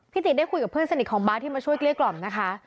ติได้คุยกับเพื่อนสนิทของบาร์ที่มาช่วยเกลี้ยกล่อมนะคะ